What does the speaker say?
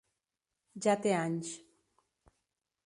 Ja té anys.